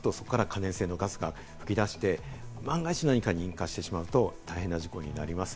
穴を開けますと可燃性のガスが噴き出して、万が一何かに引火してしまうと、大変な事故になります。